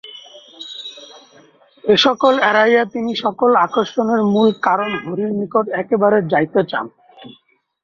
এ-সকল এড়াইয়া তিনি সকল আকর্ষণের মূলকারণ হরির নিকট একেবারে যাইতে চান।